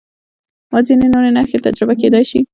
و ځینې نورې نښې تجربه کېدای شي.